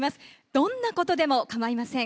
どんなことでも構いません。